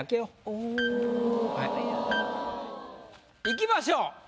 おお。いきましょう。